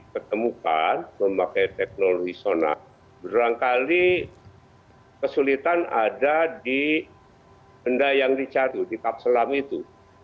ketemukan memakai teknologi sonar berangkali kesulitan ada di benda yang dicadu di kapselam itu